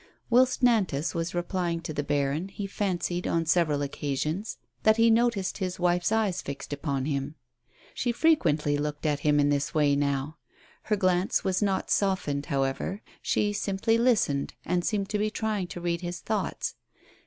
Whilst Nantas was replying to the baron, he fancied, on several occasions, that he noticed his wife's eyes fixed upon him. She frequently looked at him in this way now. Her glance was not softened, however; she simply listened, and seemed to be trying to read his thoughts.